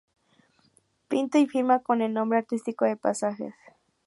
Pinta y firma con el nombre artístico de ""Pasajes"".